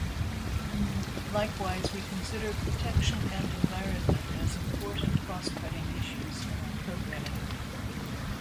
Likewise, we consider protection and environment as important cross-cutting issues in our programming.